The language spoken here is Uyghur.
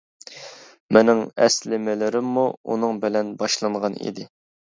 مېنىڭ ئەسلىمىلىرىممۇ ئۇنىڭ بىلەن باشلانغان ئىدى.